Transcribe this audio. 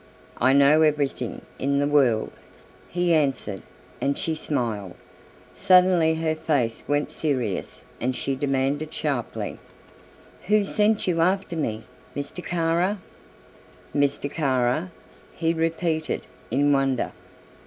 "I know everything in the world," he answered, and she smiled. Suddenly her face went serious and she demanded sharply, "Who sent you after me Mr. Kara?" "Mr. Kara?" he repeated, in wonder.